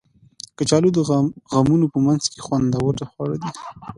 کچالو د غمونو په منځ کې خوندور خواړه دي